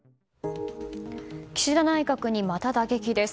岸田内閣にまた打撃です。